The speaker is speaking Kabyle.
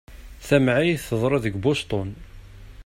Tamεayt teḍra deg Boston.